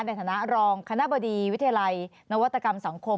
ในฐานะรองคณะบดีวิทยาลัยนวัตกรรมสังคม